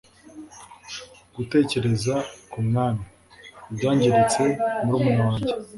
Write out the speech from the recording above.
Gutekereza ku mwami ibyangiritse murumuna wanjye